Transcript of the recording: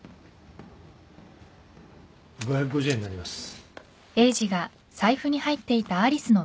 ５５０円になります。